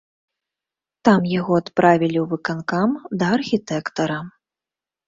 Там яго адправілі ў выканкам, да архітэктара.